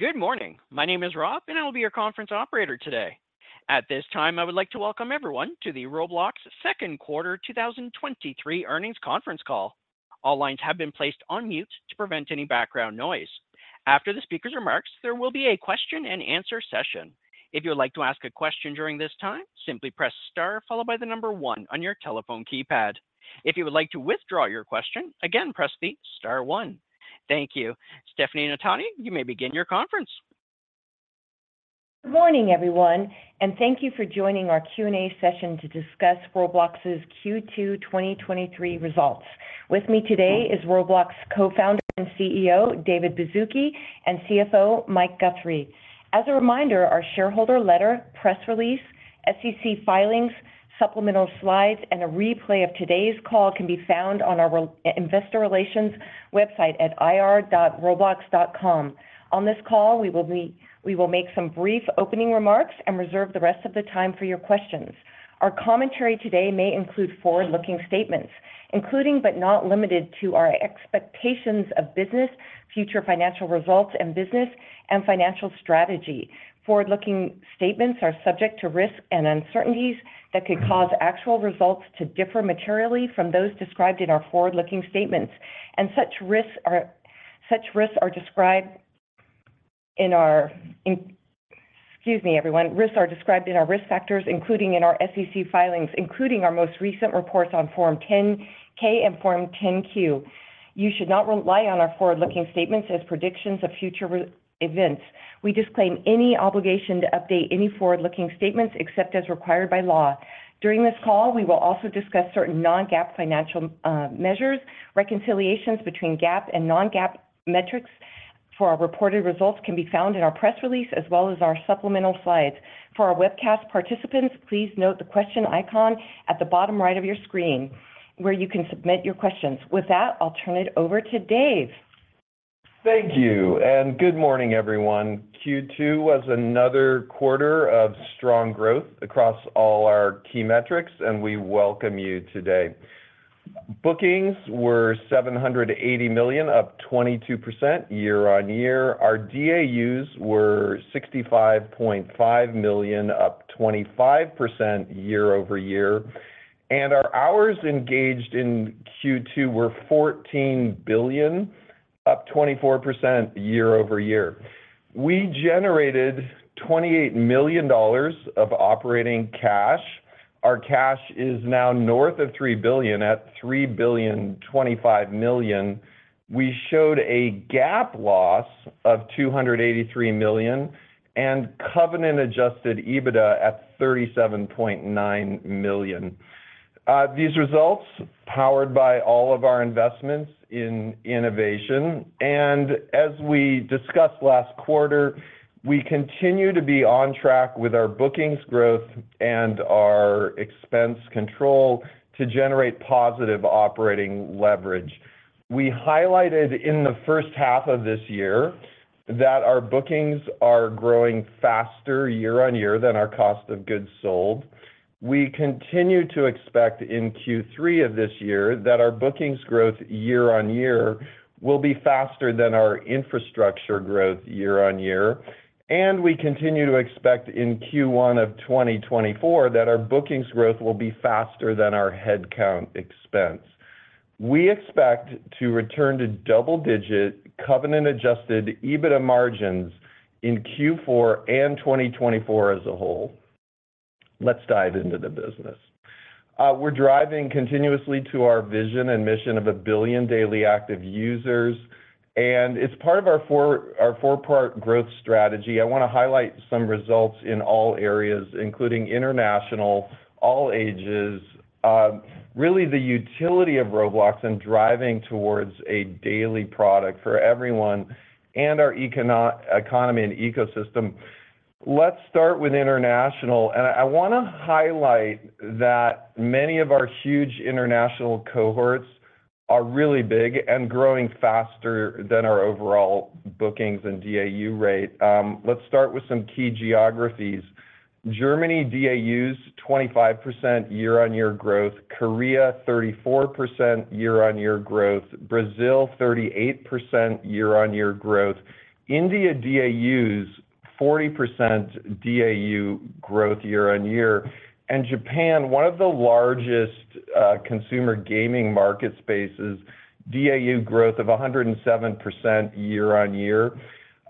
Good morning. My name is Rob, and I will be your conference operator today. At this time, I would like to welcome everyone to the Roblox Second Quarter 2023 Earnings Conference Call. All lines have been placed on mute to prevent any background noise. After the speaker's remarks, there will be a question-and-answer session. If you would like to ask a question during this time, simply press star followed by the number one on your telephone keypad. If you would like to withdraw your question, again, press the star one. Thank you. Stefanie Notaney, you may begin your conference. Good morning, everyone, and thank you for joining our Q&A session to discuss Roblox's Q2 2023 results. With me today is Roblox Co-Founder and CEO, David Baszucki, and CFO, Mike Guthrie. As a reminder, our shareholder letter, press release, SEC filings, supplemental slides, and a replay of today's call can be found on our investor relations website at ir.roblox.com. On this call, we will make some brief opening remarks and reserve the rest of the time for your questions. Our commentary today may include forward-looking statements, including but not limited to our expectations of business, future financial results, and business and financial strategy. Forward-looking statements are subject to risks and uncertainties that could cause actual results to differ materially from those described in our forward-looking statements. Such risks are described in our. Excuse me, everyone. Risks are described in our risk factors, including in our SEC filings, including our most recent reports on Form 10-K and Form 10-Q. You should not rely on our forward-looking statements as predictions of future events. We disclaim any obligation to update any forward-looking statements except as required by law. During this call, we will also discuss certain non-GAAP financial measures. Reconciliations between GAAP and non-GAAP metrics for our reported results can be found in our press release as well as our supplemental slides. For our webcast participants, please note the question icon at the bottom right of your screen, where you can submit your questions. With that, I'll turn it over to Dave. Thank you, and good morning, everyone. Q2 was another quarter of strong growth across all our key metrics. We welcome you today. Bookings were $780 million, up 22% year-on-year. Our DAUs were 65.5 million, up 25% year-over-year. Our hours engaged in Q2 were 14 billion, up 24% year-over-year. We generated $28 million of operating cash. Our cash is now north of $3 billion, at $3.025 billion. We showed a GAAP loss of $283 million. Covenant Adjusted EBITDA at $37.9 million. These results, powered by all of our investments in innovation. As we discussed last quarter, we continue to be on track with our bookings growth and our expense control to generate positive operating leverage. We highlighted in the first half of this year that our bookings are growing faster year-on-year than our cost of goods sold. We continue to expect in Q3 of this year that our bookings growth year-on-year will be faster than our infrastructure growth year-on-year, and we continue to expect in Q1 of 2024 that our bookings growth will be faster than our headcount expense. We expect to return to double-digit, Covenant Adjusted EBITDA margins in Q4 and 2024 as a whole. Let's dive into the business. We're driving continuously to our vision and mission of 1 billion daily active users, and as part of our four-part growth strategy, I want to highlight some results in all areas, including international, all ages, really the utility of Roblox and driving towards a daily product for everyone and our economy and ecosystem. Let's start with international, I, I want to highlight that many of our huge international cohorts are really big and growing faster than our overall bookings and DAU rate. Let's start with some key geographies. Germany, DAUs, 25% year-on-year growth. Korea, 34% year-on-year growth. Brazil, 38% year-on-year growth. India, DAUs, 40% DAU growth year-on-year. Japan, one of the largest consumer gaming market spaces, DAU growth of 107% year-on-year.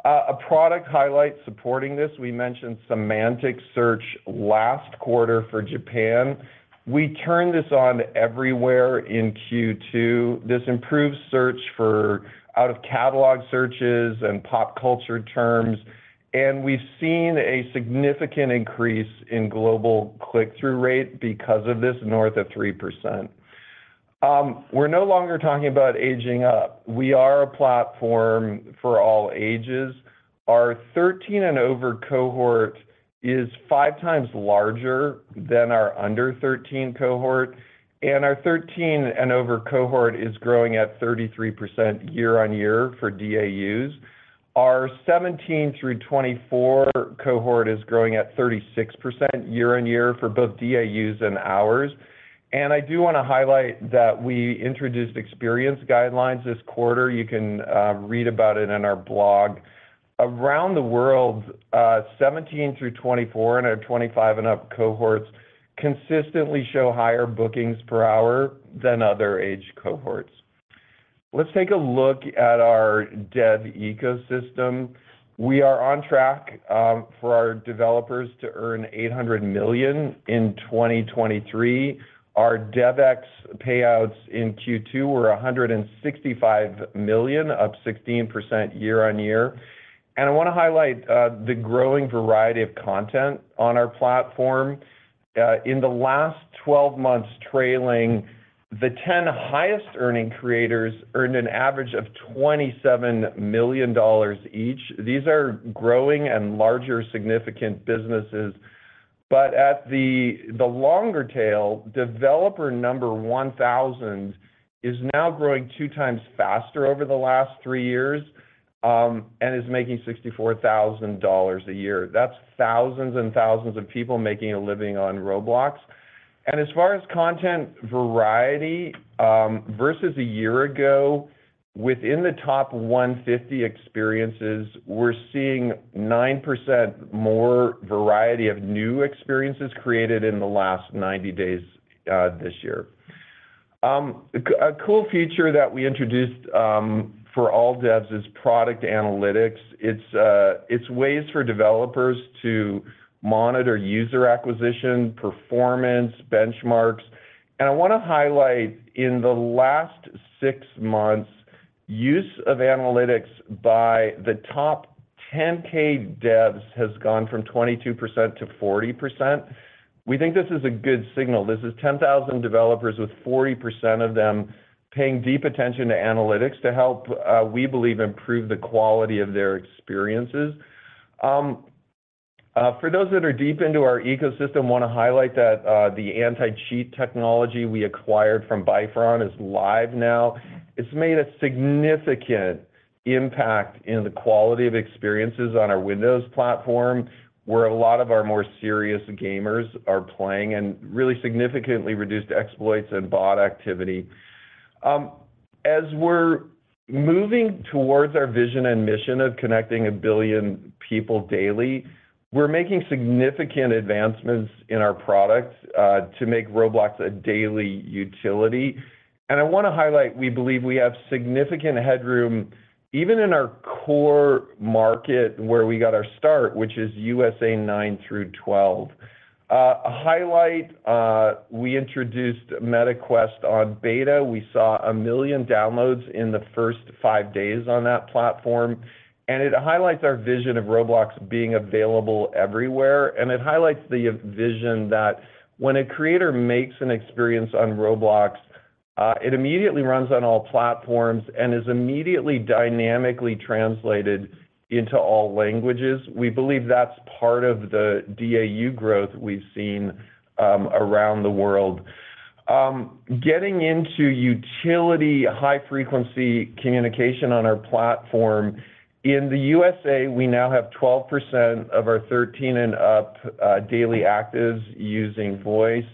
A product highlight supporting this, we mentioned semantic search last quarter for Japan. We turned this on everywhere in Q2. This improves search for out-of-catalog searches and pop culture terms. We've seen a significant increase in global click-through rate because of this, north of 3%. We're no longer talking about aging up. We are a platform for all ages. Our 13 and over cohort is 5x larger than our under 13 cohort, our 13 and over cohort is growing at 33% year-on-year for DAUs. Our 17 through 24 cohort is growing at 36% year-on-year for both DAUs and hours. I do want to highlight that we introduced experience guidelines this quarter. You can read about it in our blog. Around the world, 17 through 24 and our 25 and up cohorts consistently show higher bookings per hour than other age cohorts. Let's take a look at our dev ecosystem. We are on track for our developers to earn $800 million in 2023. Our DevEx payouts in Q2 were $165 million, up 16% year-on-year. I wanna highlight the growing variety of content on our platform. In the last 12 months, trailing, the 10 highest earning creators earned an average of $27 million each. These are growing and larger, significant businesses. But at the, the longer tail, developer number 1,000 is now growing 2x faster over the last three years, and is making $64,000 a year. That's thousands and thousands of people making a living on Roblox. And as far as content variety, versus a year ago, within the top 150 experiences, we're seeing 9% more variety of new experiences created in the last 90 days this year. A cool feature that we introduced for all devs is product analytics. It's, it's ways for developers to monitor user acquisition, performance, benchmarks. I wanna highlight, in the last six months, use of analytics by the top 10K devs has gone from 22%-40%. We think this is a good signal. This is 10,000 developers, with 40% of them paying deep attention to analytics to help, we believe, improve the quality of their experiences. For those that are deep into our ecosystem, want to highlight that the anti-cheat technology we acquired from Byfron is live now. It's made a significant impact in the quality of experiences on our Windows platform, where a lot of our more serious gamers are playing, and really significantly reduced exploits and bot activity. As we're moving towards our vision and mission of connecting 1 billion people daily, we're making significant advancements in our products to make Roblox a daily utility. I wanna highlight, we believe we have significant headroom, even in our core market, where we got our start, which is USA nine through 12. A highlight, we introduced Meta Quest on beta. We saw 1 million downloads in the first five days on that platform, and it highlights our vision of Roblox being available everywhere. It highlights the vision that when a creator makes an experience on Roblox, it immediately runs on all platforms and is immediately dynamically translated into all languages. We believe that's part of the DAU growth we've seen around the world. Getting into utility, high-frequency communication on our platform. In the USA, we now have 12% of our 13% and up daily actives using voice,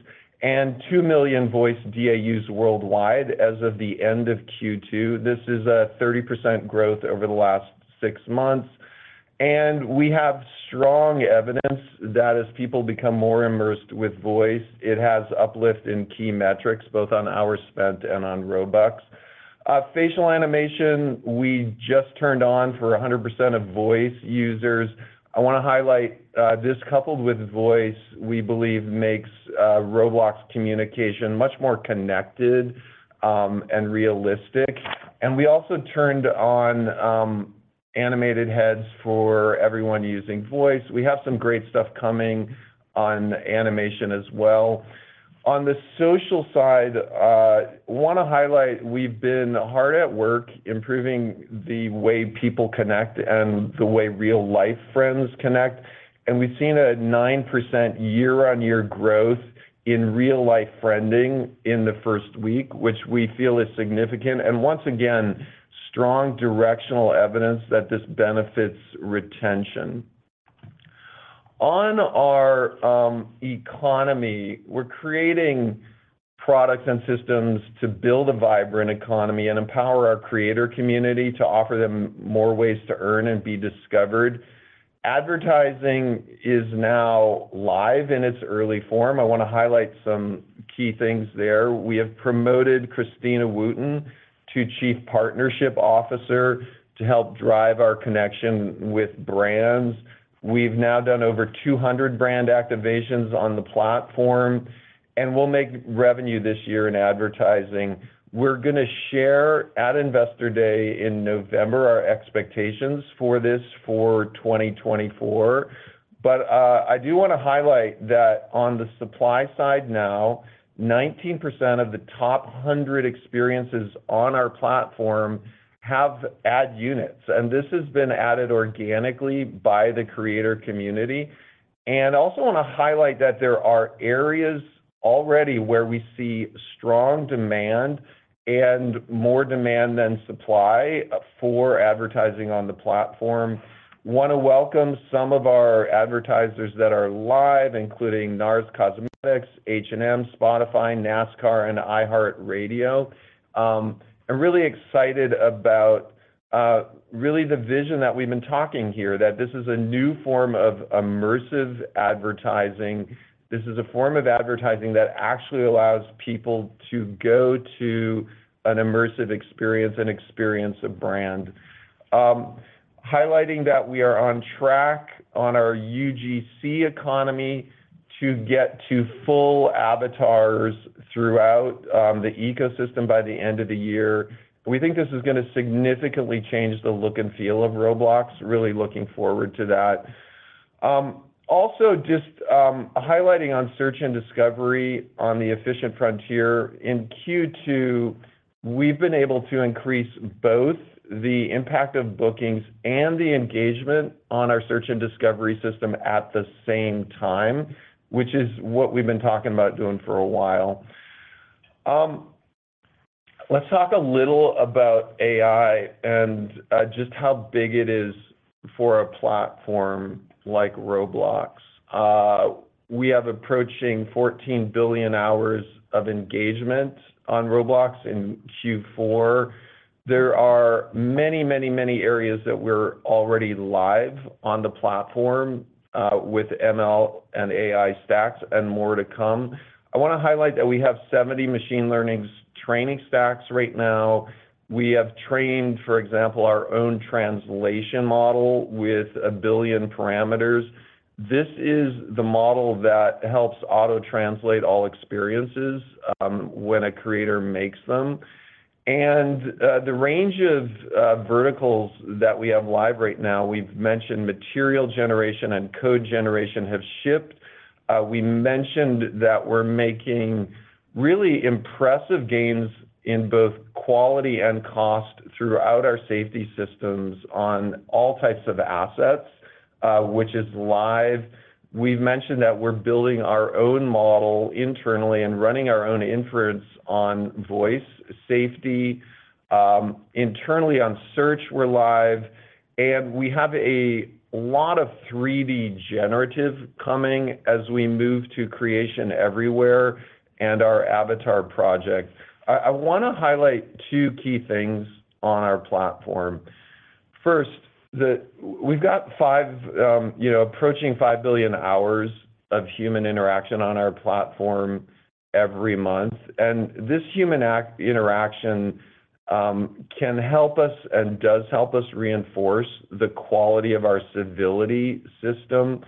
and 2 million voice DAUs worldwide as of the end of Q2. This is a 30% growth over the last six months, and we have strong evidence that as people become more immersed with voice, it has uplift in key metrics, both on hours spent and on Robux. Facial animation, we just turned on for 100% of voice users. I wanna highlight, this, coupled with voice, we believe, makes Roblox communication much more connected and realistic. We also turned on animated heads for everyone using voice. We have some great stuff coming on animation as well. On the social side, want to highlight, we've been hard at work improving the way people connect and the way real-life friends connect, and we've seen a 9% year-on-year growth in real-life friending in the first week, which we feel is significant, and once again, strong directional evidence that this benefits retention. On our economy, we're creating products and systems to build a vibrant economy and empower our creator community to offer them more ways to earn and be discovered. Advertising is now live in its early form. I want to highlight some key things there. We have promoted Christina Wootton to Chief Partnership Officer to help drive our connection with brands. We've now done over 200 brand activations on the platform, and we'll make revenue this year in advertising. We're gonna share at Investor Day in November, our expectations for this for 2024. I do want to highlight that on the supply side now, 19% of the top 100 experiences on our platform have ad units, and this has been added organically by the creator community. I also want to highlight that there are areas already where we see strong demand and more demand than supply for advertising on the platform. Want to welcome some of our advertisers that are live, including NARS Cosmetics, H&M, Spotify, NASCAR, and iHeartRadio. I'm really excited about really the vision that we've been talking here, that this is a new form of immersive advertising. This is a form of advertising that actually allows people to go to an immersive experience and experience a brand. Highlighting that we are on track on our UGC economy to get to full avatars throughout the ecosystem by the end of the year. We think this is gonna significantly change the look and feel of Roblox. Really looking forward to that. Also, just highlighting on search and discovery on the efficient frontier. In Q2, we've been able to increase both the impact of bookings and the engagement on our search and discovery system at the same time, which is what we've been talking about doing for a while. Let's talk a little about AI and just how big it is for a platform like Roblox. We have approaching 14 billion hours of engagement on Roblox in Q4. There are many, many, many areas that we're already live on the platform with ML and AI stacks and more to come. I wanna highlight that we have 70 machine learnings training stacks right now. We have trained, for example, our own translation model with 1 billion parameters. This is the model that helps auto-translate all experiences when a creator makes them. The range of verticals that we have live right now, we've mentioned material generation and code generation have shipped. We mentioned that we're making really impressive gains in both quality and cost throughout our safety systems on all types of assets, which is live. We've mentioned that we're building our own model internally and running our own inference on voice safety. Internally on search, we're live, and we have a lot of 3D generative coming as we move to creation everywhere and our avatar project. I, I wanna highlight two key things on our platform. First, we've got five, you know, approaching 5 billion hours of human interaction on our platform every month, and this human interaction can help us and does help us reinforce the quality of our civility system.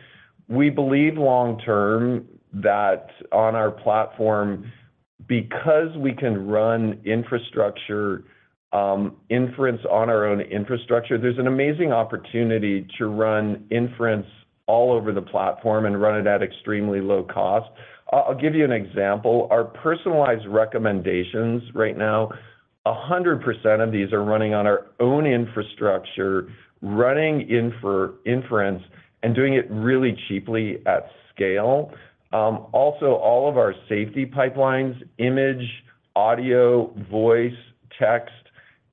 We believe long term, that on our platform, because we can run infrastructure, inference on our own infrastructure, there's an amazing opportunity to run inference all over the platform and run it at extremely low cost. I'll give you an example. Our personalized recommendations right now, 100% of these are running on our own infrastructure, running inference, and doing it really cheaply at scale. Also, all of our safety pipelines: image, audio, voice, text,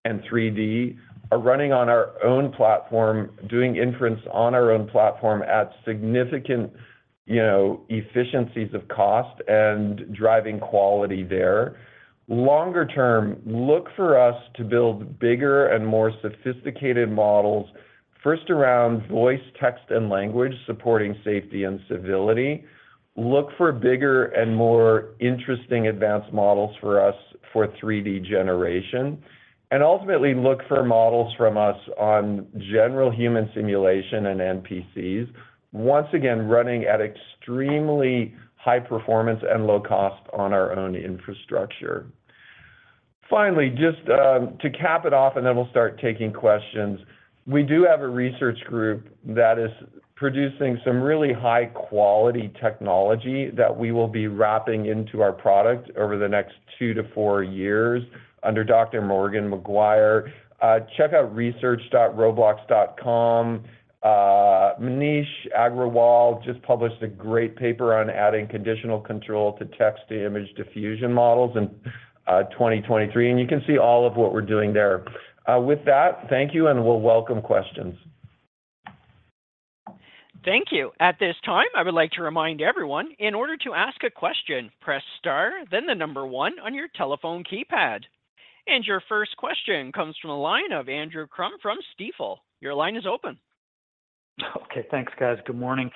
and 3D, are running on our own platform, doing inference on our own platform at significant, you know, efficiencies of cost and driving quality there. Longer term, look for us to build bigger and more sophisticated models, first around voice, text, and language, supporting safety and civility. Look for bigger and more interesting advanced models for us for 3D generation, ultimately, look for models from us on general human simulation and NPCs. Once again, running at extremely high performance and low cost on our own infrastructure. Finally, just to cap it off, then we'll start taking questions. We do have a research group that is producing some really high-quality technology that we will be wrapping into our product over the next two to four years under Dr. Morgan McGuire. Check out research.roblox.com. Maneesh Agrawala just published a great paper on adding conditional control to text-to-image diffusion models in 2023, you can see all of what we're doing there. With that, thank you, we'll welcome questions. Thank you. At this time, I would like to remind everyone, in order to ask a question, press Star, then the number one on your telephone keypad. Your first question comes from the line of Andrew Crum from Stifel. Your line is open. Okay, thanks, guys. Good morning.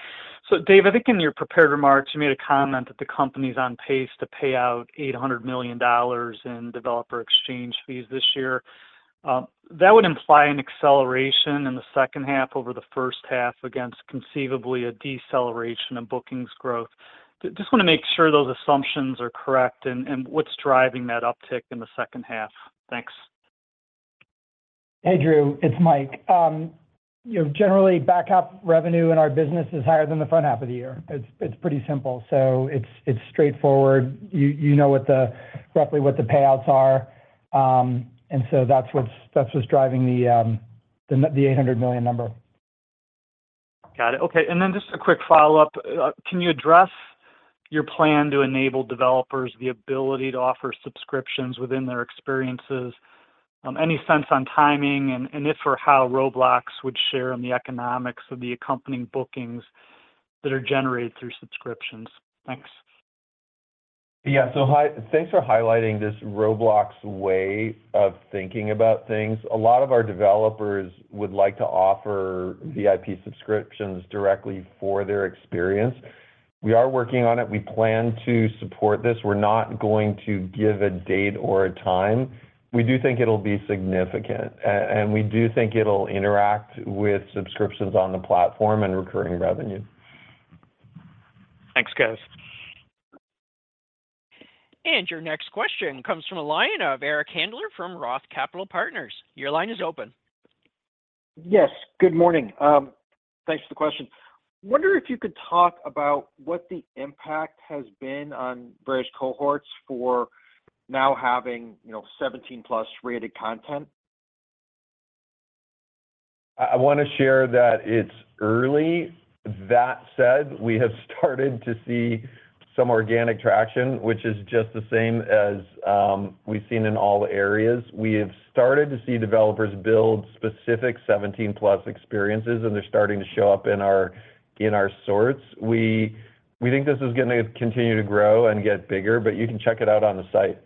Dave, I think in your prepared remarks, you made a comment that the company is on pace to pay out $800 million in developer exchange fees this year. That would imply an acceleration in the second half over the first half, against conceivably a deceleration in bookings growth. Just wanna make sure those assumptions are correct, and, and what's driving that uptick in the second half? Thanks. Hey, Drew, it's Mike. You know, generally, back half revenue in our business is higher than the front half of the year. It's, it's pretty simple. It's, it's straightforward. You, you know what roughly what the payouts are, that's what's, that's what's driving the, the, the $800 million number. Got it. Okay, and then just a quick follow-up. Can you address your plan to enable developers the ability to offer subscriptions within their experiences? Any sense on timing and, and if or how Roblox would share in the economics of the accompanying bookings that are generated through subscriptions? Thanks. Yeah, hi, thanks for highlighting this Roblox way of thinking about things. A lot of our developers would like to offer VIP subscriptions directly for their experience. We are working on it. We plan to support this. We're not going to give a date or a time. We do think it'll be significant, and we do think it'll interact with subscriptions on the platform and recurring revenue. Thanks, guys. Your next question comes from a line of Eric Handler from ROTH Capital Partners. Your line is open. Yes, good morning. thanks for the question. Wonder if you could talk about what the impact has been on various cohorts for now having, you know, 17+ rated content? I wanna share that it's early. That said, we have started to see some organic traction, which is just the same as we've seen in all areas. We have started to see developers build specific 17+ experiences. They're starting to show up in our sorts. We think this is gonna continue to grow and get bigger. You can check it out on the site.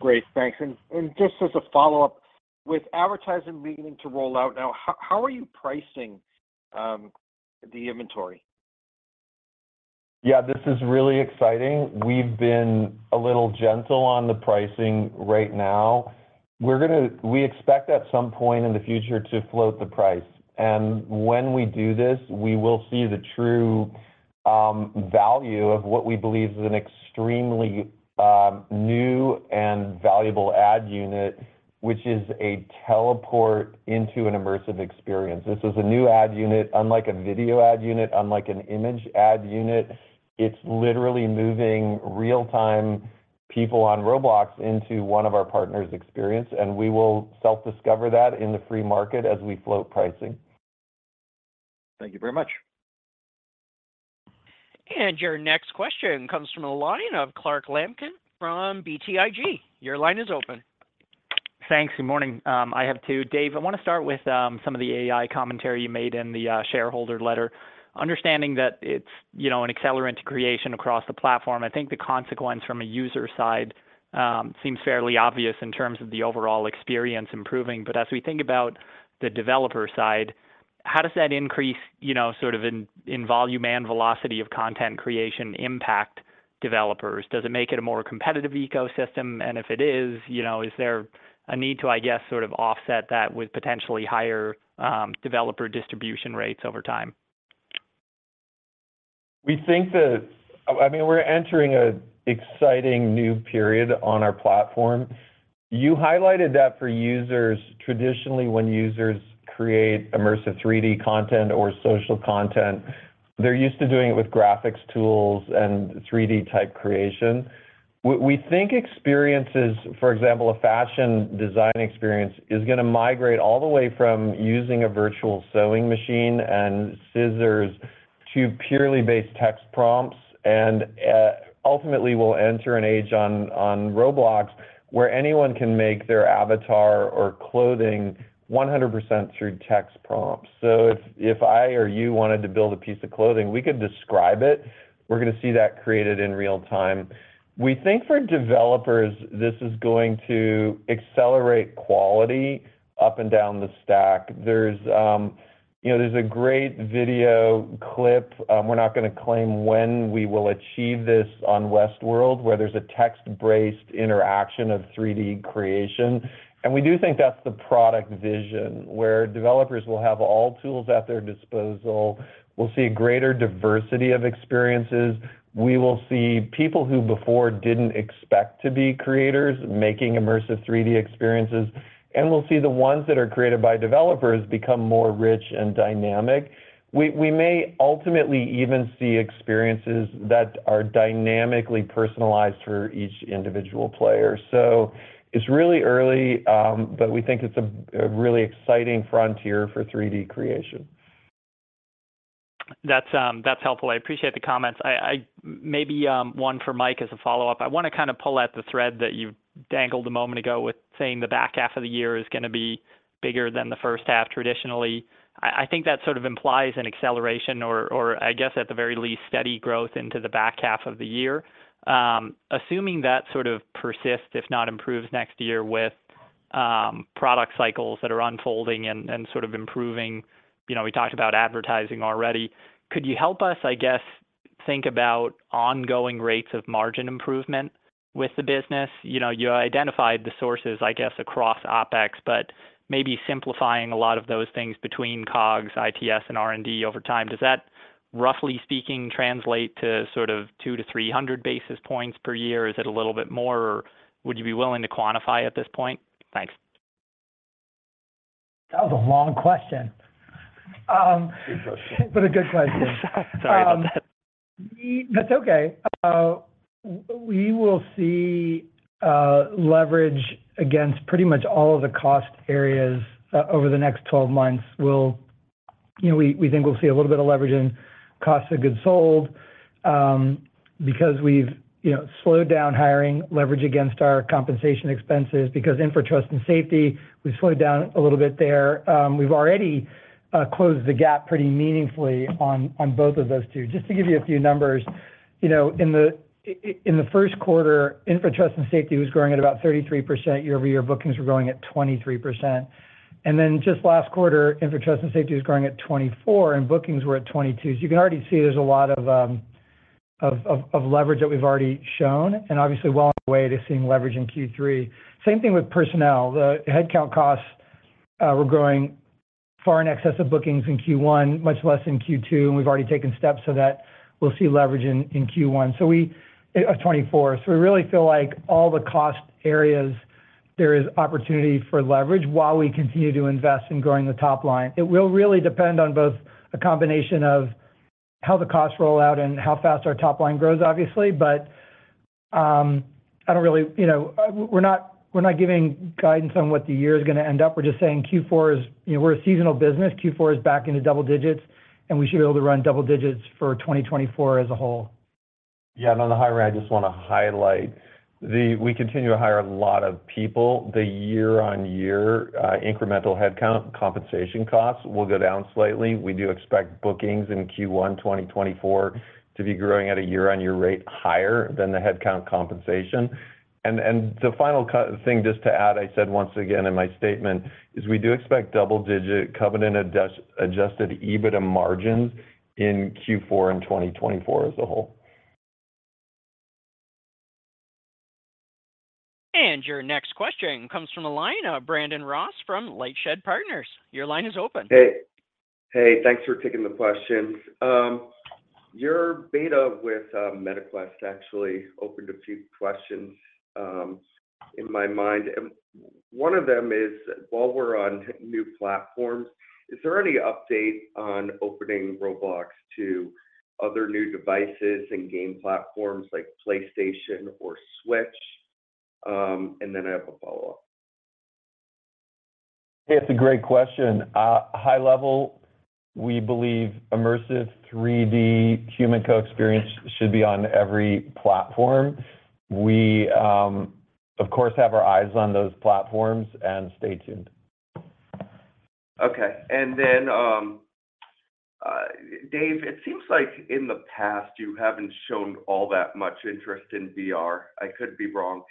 Great, thanks. And just as a follow-up, with advertising beginning to roll out now, how, how are you pricing the inventory? Yeah, this is really exciting. We've been a little gentle on the pricing right now. We expect at some point in the future to float the price, and when we do this, we will see the true value of what we believe is an extremely new and valuable ad unit, which is a teleport into an immersive experience. This is a new ad unit, unlike a video ad unit, unlike an image ad unit. It's literally moving real-time people on Roblox into one of our partners' experience, and we will self-discover that in the free market as we float pricing. Thank you very much. Your next question comes from a line of Clark Lampen from BTIG. Your line is open. Thanks, good morning. I have two. Dave, I wanna start with some of the AI commentary you made in the shareholder letter, understanding that it's, you know, an accelerant to creation across the platform. I think the consequence from a user side seems fairly obvious in terms of the overall experience improving. As we think about the developer side, how does that increase, you know, sort of in, in volume and velocity of content creation impact developers? Does it make it a more competitive ecosystem? If it is, you know, is there a need to, I guess, sort of offset that with potentially higher developer distribution rates over time? We think I mean, we're entering an exciting new period on our platform. You highlighted that for users, traditionally, when users create immersive 3D content or social content, they're used to doing it with graphics tools and 3D type creation. What we think experiences, for example, a fashion design experience, is gonna migrate all the way from using a virtual sewing machine and scissors to purely based text prompts, and ultimately will enter an age on Roblox, where anyone can make their avatar or clothing 100% through text prompts. So if, if I or you wanted to build a piece of clothing, we could describe it. We're gonna see that created in real time. We think for developers, this is going to accelerate quality up and down the stack. There's, you know, there's a great video clip, we're not gonna claim when we will achieve this on Westworld, where there's a text-based interaction of threeD creation. We do think that's the product vision, where developers will have all tools at their disposal. We'll see a greater diversity of experiences. We will see people who, before, didn't expect to be creators, making immersive threeD experiences, and we'll see the ones that are created by developers become more rich and dynamic. We, we may ultimately even see experiences that are dynamically personalized for each individual player. It's really early, but we think it's a, a really exciting frontier for threeD creation. That's, that's helpful. I appreciate the comments. I, Maybe, one for Mike as a follow-up. I want to kind of pull at the thread that you dangled a moment ago with saying the back half of the year is gonna be bigger than the first half. Traditionally, I, I think that sort of implies an acceleration or, or I guess, at the very least, steady growth into the back half of the year. Assuming that sort of persists, if not improves next year with product cycles that are unfolding and sort of improving, you know, we talked about advertising already. Could you help us, I guess, think about ongoing rates of margin improvement with the business? You know, you identified the sources, I guess, across OpEx, but maybe simplifying a lot of those things between COGS, ITS, and R&D over time. Does that, roughly speaking, translate to sort of 200-300 basis points per year? Is it a little bit more, or would you be willing to quantify at this point? Thanks. That was a long question. Good question. A good question. Sorry about that. That's okay. We will see leverage against pretty much all of the cost areas over the next 12 months. You know, we, we think we'll see a little bit of leverage in cost of goods sold, because we've.... you know, slowed down hiring, leverage against our compensation expenses, because Infra, Trust, and Safety, we've slowed down a little bit there. We've already closed the gap pretty meaningfully on both of those two. Just to give you a few numbers, you know, in the first quarter, Infra, Trust, and Safety was growing at about 33% year-over-year. Bookings were growing at 23%. Then just last quarter, Infra, Trust, and Safety was growing at 24, and bookings were at 22. You can already see there's a lot of leverage that we've already shown, and obviously well on the way to seeing leverage in Q3. Same thing with personnel. The headcount costs were growing far in excess of bookings in Q1, much less in Q2, and we've already taken steps so that we'll see leverage in, in Q1. We 2024. We really feel like all the cost areas, there is opportunity for leverage while we continue to invest in growing the top line. It will really depend on both a combination of how the costs roll out and how fast our top line grows, obviously. I don't really you know, we're not, we're not giving guidance on what the year is going to end up. We're just saying Q4 is, you know, we're a seasonal business. Q4 is back into double digits, and we should be able to run double digits for 2024 as a whole. Yeah, and on the hiring, I just want to highlight we continue to hire a lot of people. The year-on-year incremental headcount, compensation costs will go down slightly. We do expect bookings in Q1 2024 to be growing at a year-on-year rate higher than the headcount compensation. The final thing, just to add, I said once again in my statement, is we do expect double-digit Covenant Adjusted EBITDA margins in Q4 and 2024 as a whole. Your next question comes from the line of Brandon Ross from LightShed Partners. Your line is open. Hey. Hey, thanks for taking the questions. Your beta with Meta Quest actually opened a few questions in my mind. One of them is: while we're on new platforms, is there any update on opening Roblox to other new devices and game platforms like PlayStation or Switch? Then I have a follow-up. It's a great question. High level, we believe immersive 3D human co-experience should be on every platform. We, of course, have our eyes on those platforms, and stay tuned. Okay. Then, Dave, it seems like in the past, you haven't shown all that much interest in VR. I could be wrong,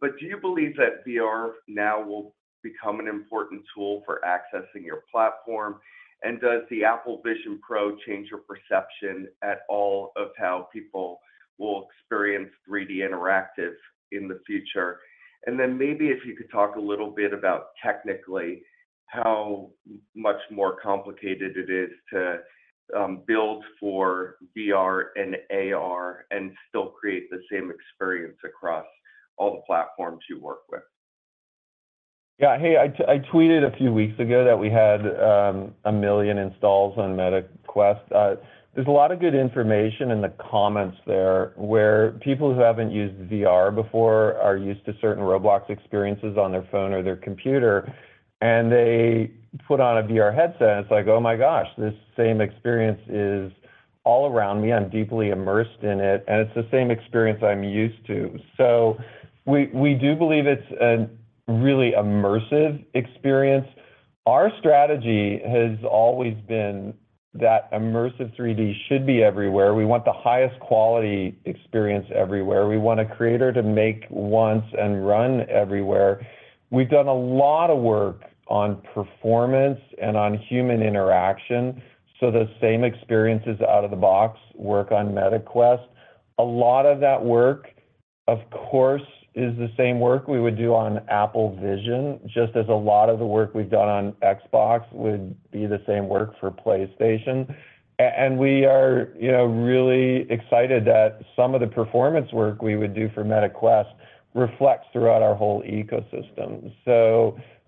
but do you believe that VR now will become an important tool for accessing your platform? Does the Apple Vision Pro change your perception at all of how people will experience 3D interactive in the future? Then maybe if you could talk a little bit about, technically, how much more complicated it is to build for VR and AR and still create the same experience across all the platforms you work with. Yeah. Hey, I tweeted a few weeks ago that we had 1 million installs on Meta Quest. There's a lot of good information in the comments there, where people who haven't used VR before are used to certain Roblox experiences on their phone or their computer, and they put on a VR headset, and it's like, "Oh, my gosh, this same experience is all around me. I'm deeply immersed in it, and it's the same experience I'm used to." We, we do believe it's a really immersive experience. Our strategy has always been that immersive 3D should be everywhere. We want the highest quality experience everywhere. We want a creator to make once and run everywhere. We've done a lot of work on performance and on human interaction, so those same experiences out of the box work on Meta Quest. A lot of that work, of course, is the same work we would do on Apple Vision, just as a lot of the work we've done on Xbox would be the same work for PlayStation. We are, you know, really excited that some of the performance work we would do for Meta Quest reflects throughout our whole ecosystem.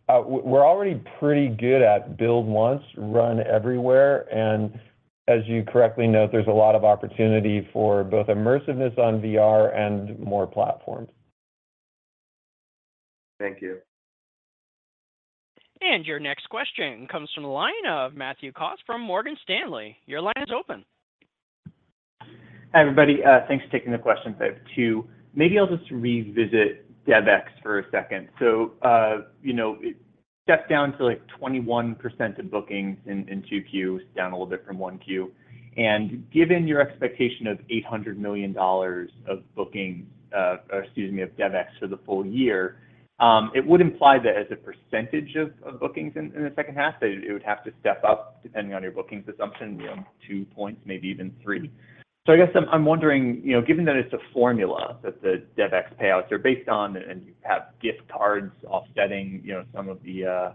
We're already pretty good at build once, run everywhere, and as you correctly note, there's a lot of opportunity for both immersiveness on VR and more platforms. Thank you. Your next question comes from the line of Matthew Cost from Morgan Stanley. Your line is open. Hi, everybody. Thanks for taking the questions. I have two. Maybe I'll just revisit DevEx for a second. You know, it stepped down to, like, 21% of bookings in 2Q, down a little bit from 1Q. Given your expectation of $800 million of bookings, or excuse me, of DevEx for the full year, it would imply that as a percentage of bookings in the second half, that it would have to step up, depending on your bookings assumption, you know, two points, maybe even three. I guess I'm, I'm wondering, you know, given that it's a formula that the DevEx payouts are based on, and you have gift cards offsetting, you know, some of the,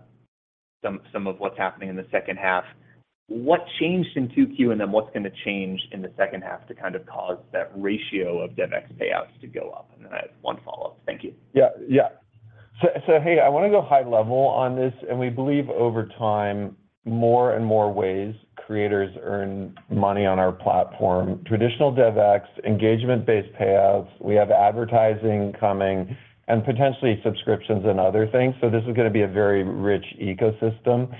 some, some of what's happening in the second half, what changed in 2Q, and then what's going to change in the second half to kind of cause that ratio of DevEx payouts to go up? I have one follow-up. Thank you. Yeah. Yeah. I want to go high level on this, we believe over time, more and more ways creators earn money on our platform. Traditional DevEx, engagement-based payouts, we have advertising coming, potentially subscriptions and other things. This is going to be a very rich ecosystem.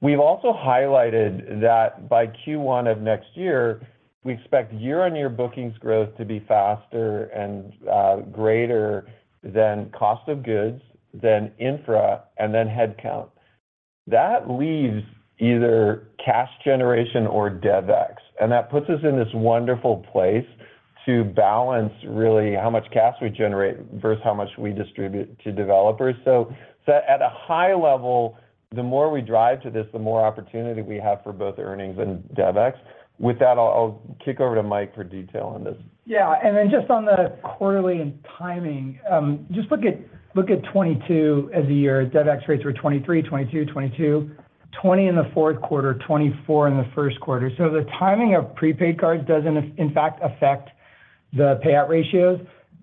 We've also highlighted that by Q1 of next year, we expect year-on-year bookings growth to be faster and greater than cost of goods, than infra, then headcount. That leaves either cash generation or DevEx, that puts us in this wonderful place to balance really how much cash we generate versus how much we distribute to developers. At a high level, the more we drive to this, the more opportunity we have for both earnings and DevEx. With that, I'll kick over to Mike for detail on this. Yeah, just on the quarterly and timing, just look at 2022 as a year, DevEx rates were 23%, 22%, 22%, 20% in Q4, 24% in Q1. The timing of prepaid cards does in fact, affect the payout ratios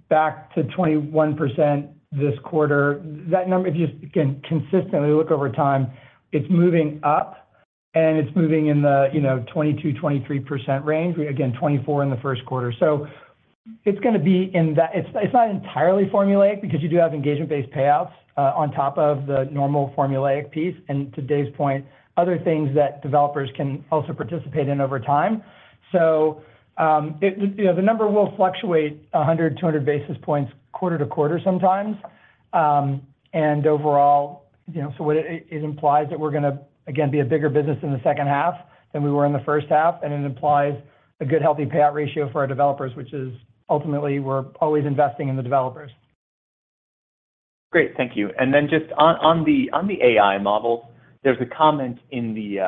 back to 21% this quarter. That number, if you consistently look over time, it's moving up and it's moving in the, you know, 22%-23% range. Again, 24% in Q1. It's gonna be in that-- it's, it's not entirely formulaic because you do have engagement-based payouts on top of the normal formulaic piece, and to Dave's point, other things that developers can also participate in over time. It, you know, the number will fluctuate 100, 200 basis points, quarter to quarter sometimes. Overall, you know, so what it, it implies that we're gonna, again, be a bigger business in the second half than we were in the first half, and it implies a good, healthy payout ratio for our developers, which is ultimately, we're always investing in the developers. Great, thank you. Then just on, on the, on the AI model, there's a comment in the,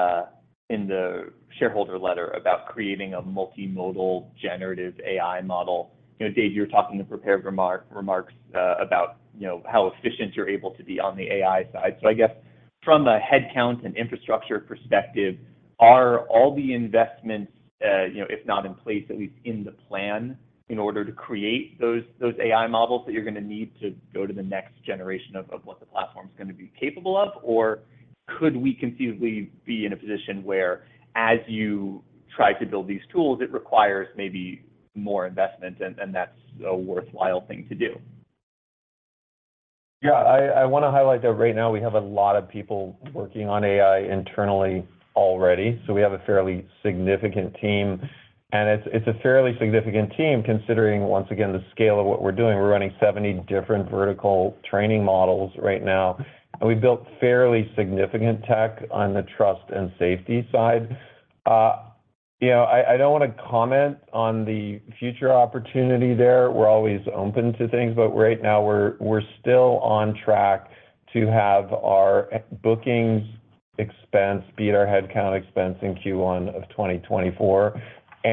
in the shareholder letter about creating a multimodal generative AI model. You know, Dave, you were talking the prepared remarks, about, you know, how efficient you're able to be on the AI side. I guess from a headcount and infrastructure perspective, are all the investments, you know, if not in place, at least in the plan, in order to create those, those AI models that you're gonna need to go to the next generation of, of what the platform is gonna be capable of? Could we conceivably be in a position where as you try to build these tools, it requires maybe more investment, and, and that's a worthwhile thing to do? Yeah, I, I wanna highlight that right now we have a lot of people working on AI internally already. We have a fairly significant team. It's, it's a fairly significant team, considering, once again, the scale of what we're doing. We're running 70 different vertical training models right now, and we built fairly significant tech on the trust and safety side. You know, I, I don't wanna comment on the future opportunity there. We're always open to things. Right now we're, we're still on track to have our bookings expense beat our headcount expense in Q1 of 2024.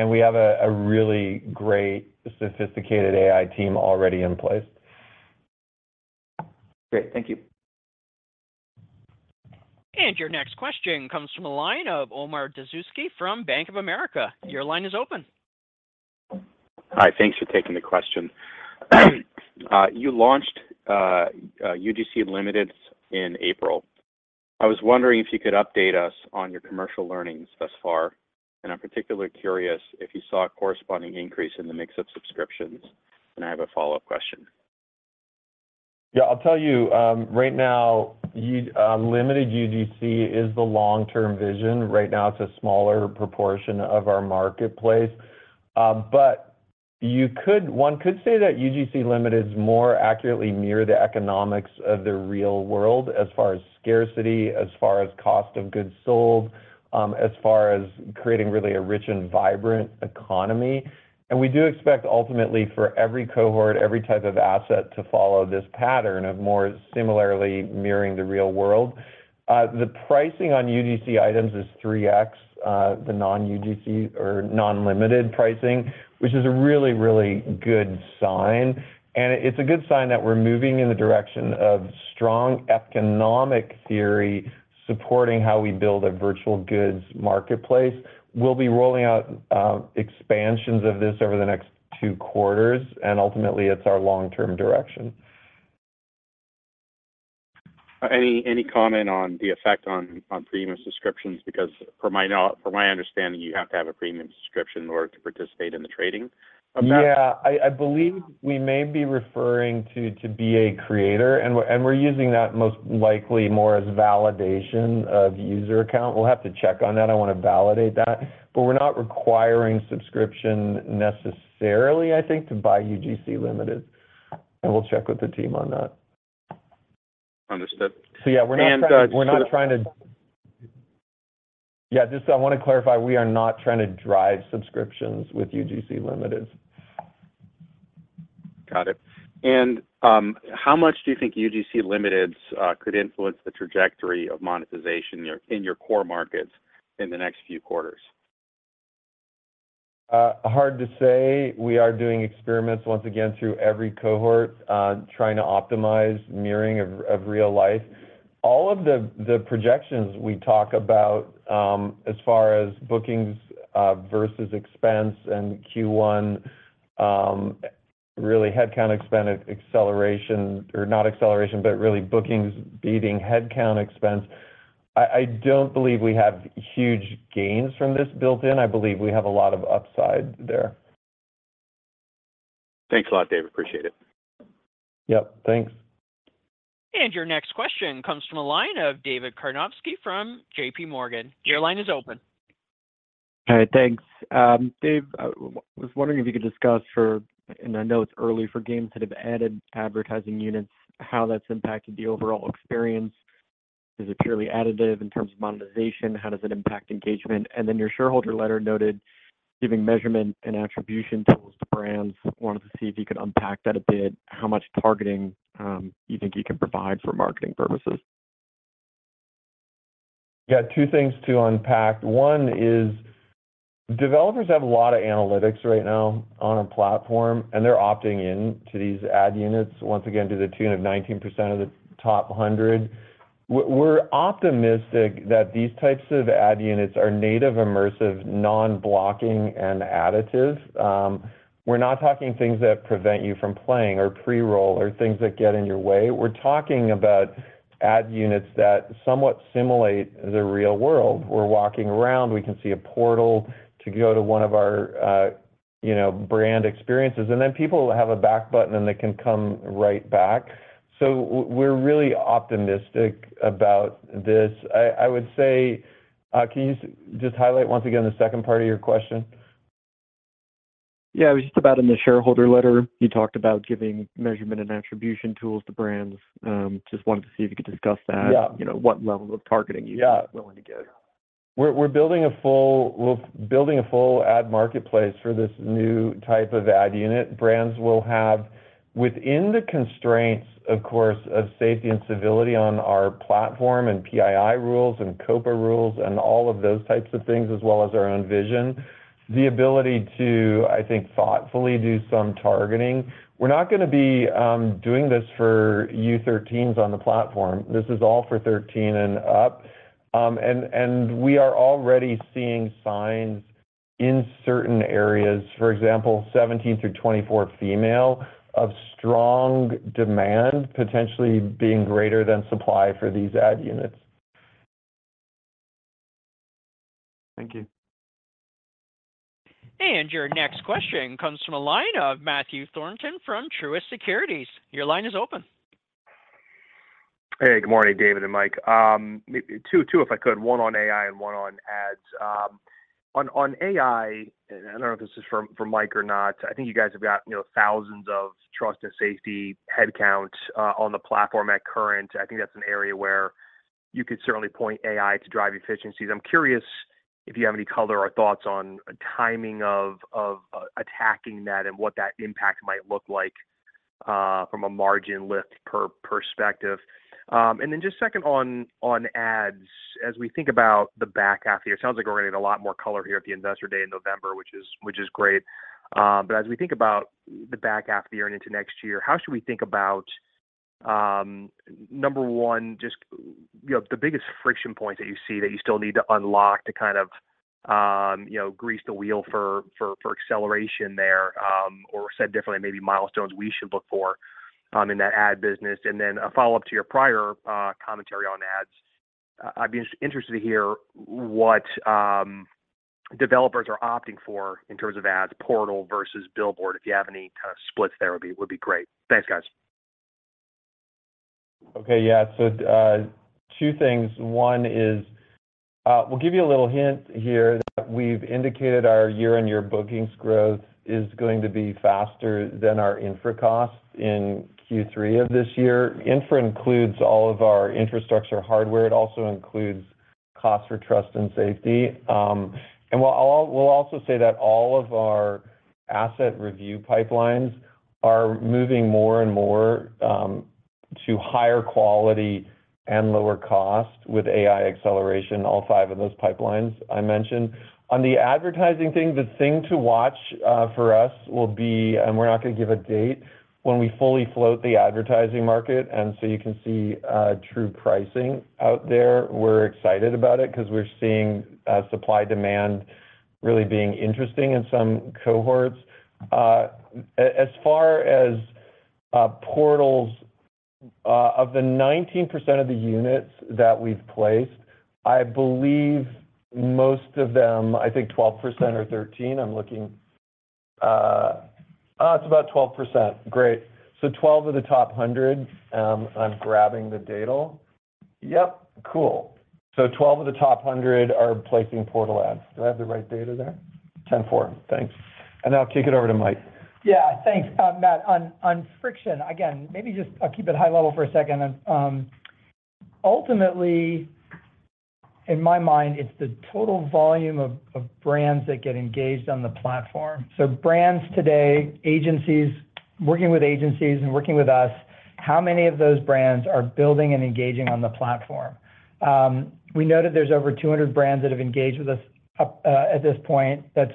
We have a, a really great sophisticated AI team already in place. Great, thank you. Your next question comes from the line of Omar Dessouky from Bank of America. Your line is open. Hi, thanks for taking the question. You launched UGC Limiteds in April. I was wondering if you could update us on your commercial learnings thus far, and I'm particularly curious if you saw a corresponding increase in the mix of subscriptions. I have a follow-up question. Yeah, I'll tell you, right now, limited UGC is the long-term vision. Right now, it's a smaller proportion of our marketplace. One could say that UGC Limiteds is more accurately near the economics of the real world as far as scarcity, as far as cost of goods sold, as far as creating really a rich and vibrant economy. We do expect ultimately, for every cohort, every type of asset to follow this pattern of more similarly mirroring the real world. The pricing on UGC items is 3x, the non-UGC or non-limited pricing, which is a really, really good sign. It's a good sign that we're moving in the direction of strong economic theory, supporting how we build a virtual goods marketplace. We'll be rolling out, expansions of this over the next two quarters, and ultimately it's our long-term direction. Any, any comment on the effect on, on premium subscriptions? Because from my understanding, you have to have a premium subscription in order to participate in the trading. Yeah, I, I believe we may be referring to, to be a creator, and we're, and we're using that most likely more as validation of user account. We'll have to check on that. I want to validate that, but we're not requiring subscription necessarily, I think, to buy UGC Limiteds, and we'll check with the team on that. Understood. Yeah, we're not trying to- And, uh- Yeah, just I wanna clarify, we are not trying to drive subscriptions with UGC Limiteds. Got it. How much do you think UGC Limiteds could influence the trajectory of monetization in your core markets in the next few quarters? Hard to say. We are doing experiments once again through every cohort, trying to optimize mirroring of, of real life. All of the, the projections we talk about, as far as bookings, versus expense and Q1, really headcount expense, acceleration, or not acceleration, but really bookings beating headcount expense. I don't believe we have huge gains from this built in. I believe we have a lot of upside there. Thanks a lot, Dave. Appreciate it. Yep, thanks. Your next question comes from the line of David Karnovsky from J.P. Morgan. Your line is open. Hi, thanks. Dave, I was wondering if you could discuss for, and I know it's early for games that have added advertising units, how that's impacted the overall experience. Is it purely additive in terms of monetization? How does it impact engagement? Then your shareholder letter noted, giving measurement and attribution tools to brands. Wanted to see if you could unpack that a bit. How much targeting you think you can provide for marketing purposes? Yeah, two things to unpack. One is, developers have a lot of analytics right now on our platform, and they're opting in to these ad units, once again, to the tune of 19% of the top 100. We're, we're optimistic that these types of ad units are native, immersive, non-blocking and additive. We're not talking things that prevent you from playing or pre-roll or things that get in your way. We're talking about ad units that somewhat simulate the real world. We're walking around, we can see a portal to go to one of our, you know, brand experiences, and then people have a back button, and they can come right back. We're really optimistic about this. I, I would say, can you just highlight once again the second part of your question? Yeah, it was just about in the shareholder letter, you talked about giving measurement and attribution tools to brands. Just wanted to see if you could discuss that. Yeah. You know, what level of targeting- Yeah you are willing to give. We're, we're building a full ad marketplace for this new type of ad unit. Brands will have, within the constraints, of course, of safety and civility on our platform and PII rules and COPPA rules, and all of those types of things, as well as our own vision, the ability to, I think, thoughtfully do some targeting. We're not gonna be doing this for you 13s on the platform. This is all for 13 and up. We are already seeing signs in certain areas, for example, 17 through 24 female, of strong demand, potentially being greater than supply for these ad units. Thank you. Your next question comes from a line of Matthew Thornton from Truist Securities. Your line is open. Hey, good morning, David and Mike. Maybe two, if I could, one on AI and one on ads. On, on AI, I don't know if this is for, for Mike or not. I think you guys have got, you know, thousands of Infrastructure and Trust & Safety headcount on the platform at current. I think that's an area where you could certainly point AI to drive efficiencies. I'm curious if you have any color or thoughts on timing of attacking that and what that impact might look like from a margin lift perspective. Then just second on, on ads, as we think about the back half of the year. It sounds like we're gonna get a lot more color here at the Investor Day in November, which is, which is great. As we think about the back half of the year and into next year, how should we think about, number 1, just, you know, the biggest friction points that you see that you still need to unlock to kind of, you know, grease the wheel for, for, for acceleration there? Or said differently, maybe milestones we should look for in that ad business. Then a follow-up to your prior commentary on ads. I'd be interested to hear what developers are opting for in terms of ads, portal versus billboard. If you have any kind of splits, there would be, would be great. Thanks, guys. Okay, yeah. Two things. One is, we'll give you a little hint here that we've indicated our year-on-year bookings growth is going to be faster than our Infra costs in Q3 of this year. Infra includes all of our infrastructure, hardware. It also includes costs for Trust & Safety. We'll also say that all of our asset review pipelines are moving more and more to higher quality and lower cost with AI acceleration, all five of those pipelines I mentioned. On the advertising thing, the thing to watch for us will be, we're not going to give a date, when we fully float the advertising market, so you can see true pricing out there. We're excited about it because we're seeing supply demand really being interesting in some cohorts. As far as portals, of the 19% of the units that we've placed, I believe most of them, I think 12% or 13, I'm looking. It's about 12%. Great. 12 of the top 100, I'm grabbing the data. Yep, cool. 12 of the top 100 are placing portal ads. Do I have the right data there? 10-4. Thanks. Now I'll kick it over to Mike. Yeah, thanks, Matt. On, on friction, again, maybe just I'll keep it high level for a second. Ultimately, in my mind, it's the total volume of, of brands that get engaged on the platform. Brands today, agencies, working with agencies and working with us, how many of those brands are building and engaging on the platform? We noted there's over 200 brands that have engaged with us at this point. That's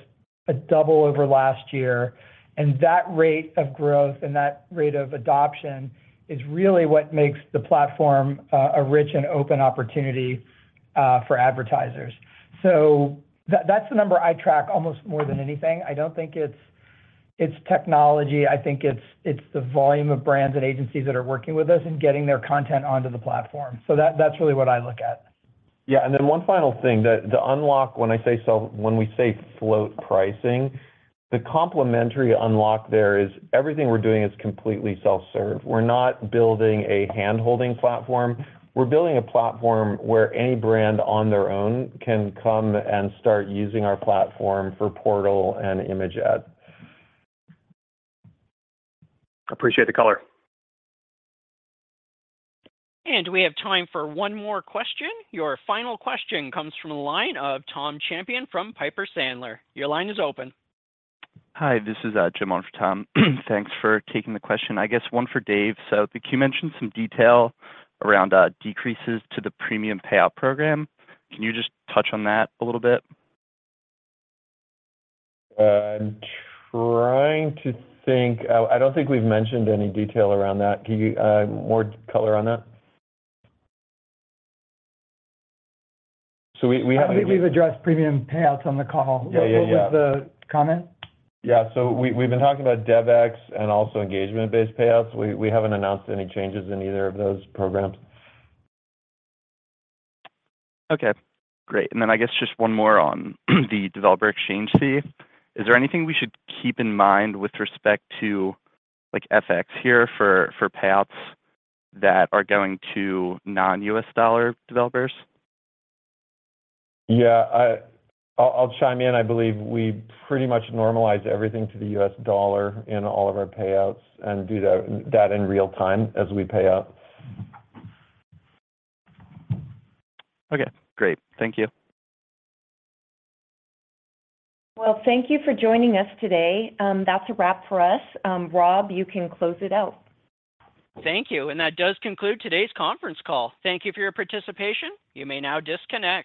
a double over last year. That rate of growth and that rate of adoption is really what makes the platform a rich and open opportunity for advertisers. That, that's the number I track almost more than anything. I don't think it's, it's technology. I think it's, it's the volume of brands and agencies that are working with us and getting their content onto the platform. That's really what I look at.... Yeah, then one final thing, the, the unlock, when I say self- when we say float pricing, the complimentary unlock there is everything we're doing is completely self-serve. We're not building a hand-holding platform. We're building a platform where any brand on their own can come and start using our platform for portal and image ad. Appreciate the color. We have time for one more question. Your final question comes from the line of Tom Champion from Piper Sandler. Your line is open. Hi, this is Jim on for Tom. Thanks for taking the question. I guess one for Dave. You mentioned some detail around decreases to the premium payout program. Can you just touch on that a little bit? I'm trying to think. I, I don't think we've mentioned any detail around that. Can you, more color on that? I think we've addressed premium payouts on the call. Oh, yeah, yeah. What was the comment? Yeah, we've been talking about DevEx and also engagement-based payouts. We haven't announced any changes in either of those programs. Okay, great. Then I guess just one more on the developer exchange fee. Is there anything we should keep in mind with respect to, like, FX here for, for payouts that are going to non-U.S. dollar developers? Yeah, I'll, I'll chime in. I believe we pretty much normalize everything to the U.S. dollar in all of our payouts and do that, that in real time as we pay out. Okay, great. Thank you. Well, thank you for joining us today. That's a wrap for us. Rob, you can close it out. Thank you, and that does conclude today's conference call. Thank you for your participation. You may now disconnect.